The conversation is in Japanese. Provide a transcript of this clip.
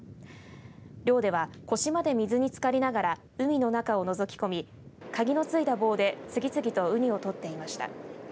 漁では腰まで水につかりながら海の中をのぞき込みかぎの付いた棒で次々とウニを取っていました。